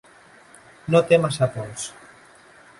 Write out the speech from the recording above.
No té massa pols.